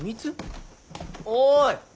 おい！